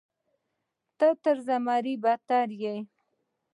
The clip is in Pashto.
ته تر زمري بدتر یې.